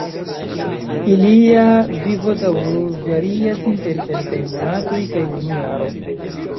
Ilia vivodaŭro varias inter kelkaj monatoj kaj unu jaro.